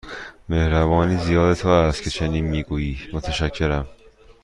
مهربانی زیاد تو است که چنین می گویی، متشکرم.